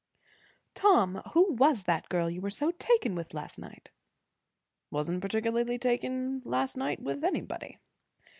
"Tom, who was that girl you were so taken with last night?" "Wasn't particularly taken last night with anybody."